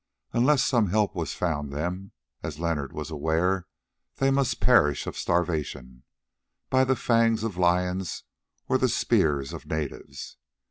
Unless some help found them, as Leonard was aware, they must perish of starvation, by the fangs of lions, or the spears of natives.